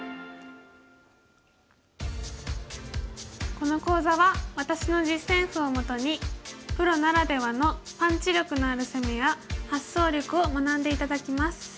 この講座は私の実戦譜をもとにプロならではのパンチ力のある攻めや発想力を学んで頂きます。